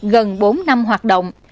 gần bốn năm hoạt động